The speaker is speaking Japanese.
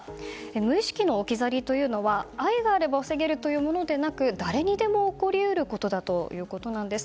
無意識の置き去りというのは愛があれば防げるというものではなく、誰にでも起こり得ることだといいます。